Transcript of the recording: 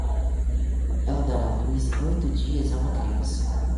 Ela dará a luz em oito dias a uma criança